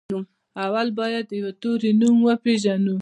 اول بايد د يوه توري نوم وپېژنو.